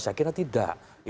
saya kira tidak